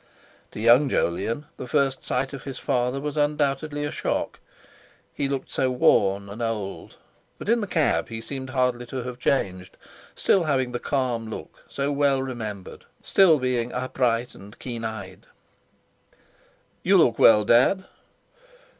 To young Jolyon the first sight of his father was undoubtedly a shock—he looked so worn and old. But in the cab he seemed hardly to have changed, still having the calm look so well remembered, still being upright and keen eyed. "You look well, Dad."